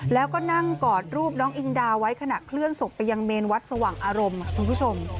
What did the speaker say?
แล้วก็นั่งกอดรูปน้องอิงดาไว้ขณะเคลื่อนศพไปยังเมนวัดสว่างอารมณ์คุณผู้ชม